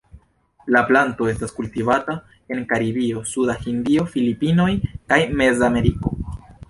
La planto estas kultivata en Karibio suda Hindio, Filipinoj kaj Mezameriko.